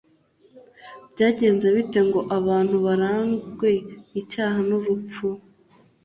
Byagenze bite ngo abantu baragwe icyaha n’urupfu